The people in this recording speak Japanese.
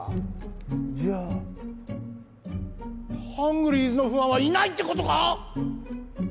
じゃあハングリーズのファンはいないって事か！？